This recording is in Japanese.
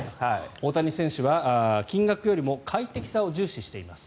大谷選手は金額よりも快適さを重視しています。